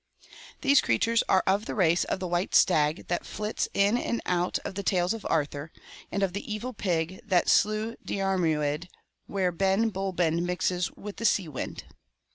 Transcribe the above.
These creatures are of the race of the white stag that flits in and out of the tales of Arthur, and of the evil pig that slew Diarmuid where Ben Bulben mixes with the sea wind.